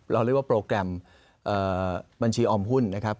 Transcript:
เราเรียกว่าโปรแกรมบัญชีออมหุ้นนะครับ